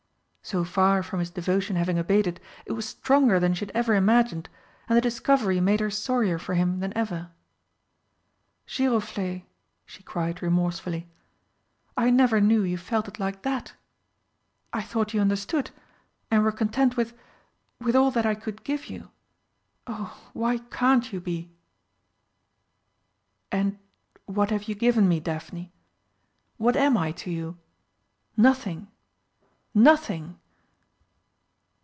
So far from his devotion having abated, it was stronger than she had ever imagined, and the discovery made her sorrier for him than ever. "Giroflé!" she cried remorsefully, "I never knew you felt it like that I thought you understood, and were content with with all that I could give you. Oh, why can't you be?" "And what have you given me, Daphne? What am I to you? Nothing! Nothing!"